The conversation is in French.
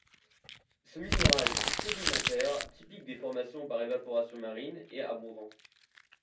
Ce minéral sédimentaire typique des formations par évaporation marine est abondant.